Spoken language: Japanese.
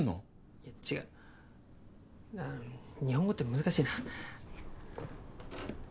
いや違う日本語って難しいな。